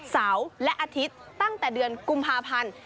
เสาร์และอาทิตย์ตั้งแต่เดือนกุมภาพันธ์